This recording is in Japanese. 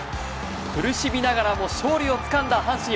苦しみながらも勝利を掴んだ阪神。